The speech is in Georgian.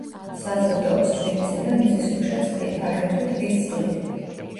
საზრდოობს წვიმისა და მიწისქვეშა წყლით, აგრეთვე ტბის წყლით.